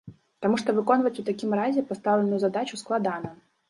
Таму што выконваць у такім разе пастаўленую задачу складана.